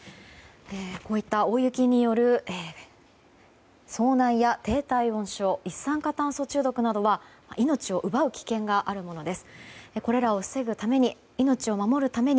大雪による遭難や低体温症一酸化炭素中毒などは命を奪う危険があるものです。